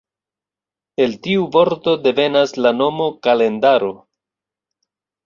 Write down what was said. El tiu vorto devenas la nomo “kalendaro”.